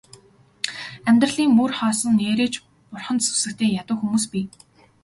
Амьдралын мөр хөөсөн нээрээ ч бурханд сүсэгтэй ядуу хүмүүс бий.